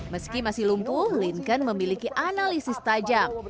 meski masih lumpuh lincon memiliki analisis tajam